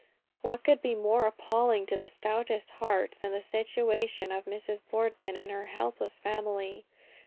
But what could be more appalling to the stoutest heart, than the situation of Mrs. Boardman and her helpless family!